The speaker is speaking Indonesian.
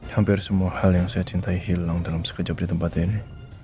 hampir semua hal yang saya cintai hilang dalam sekejap di tempat ini